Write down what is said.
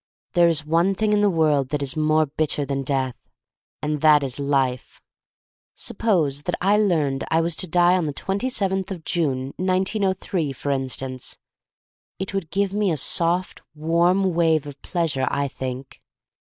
There is one thing in the world that is more bitter than death — and that is life. Suppose that I learned I was to die on the twenty seventh of June, 1903, for instance. It would give me a soft warm wave of pleasure, I think.